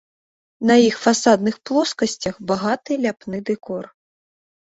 На іх фасадных плоскасцях багаты ляпны дэкор.